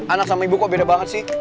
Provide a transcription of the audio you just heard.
anak sama ibu kok beda banget sih